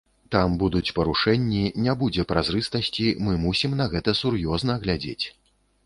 Там будуць парушэнні, не будзе празрыстасці, мы мусім на гэта сур'ёзна глядзець.